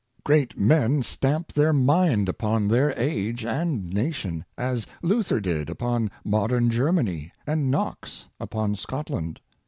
Great men stamp their mind upon their age and na tion— as Luther did upon modern Germany, and Knox upon Scotland.